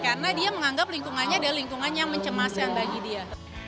karena dia menganggap lingkungannya adalah lingkungan yang mencemaskan bagi dia